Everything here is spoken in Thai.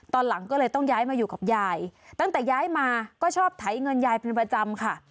ตอนหลังก็เลยต้องย้ายมาอยู่กับยายตั้งแต่ย้ายมาก็ชอบไถเงินยายเป็นประจำค่ะ